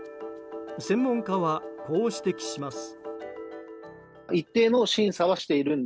専門家はこう指摘します。